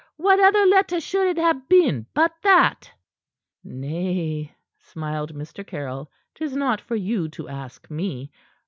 What other letter should it have been but that?" "Nay," smiled Mr. Caryll. "'Tis not for you to ask me.